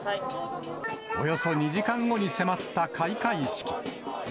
およそ２時間後に迫った開会式。